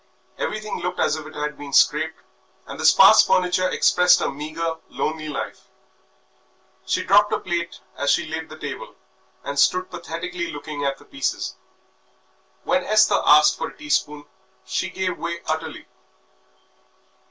Everything looked as if it had been scraped, and the spare furniture expressed a meagre, lonely life. She dropped a plate as she laid the table, and stood pathetically looking at the pieces. When Esther asked for a teaspoon she gave way utterly.